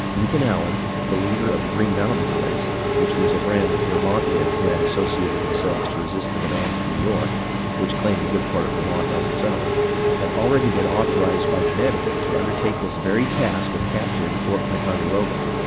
Ethan Allen, the leader of the "Green Mountain Boys," which was a band of Vermont men who had associated themselves to resist the demands of New York, which claimed a good part of Vermont as its own, had already been authorized by Con necticut to undertake this very task of capturing Ticon deroga.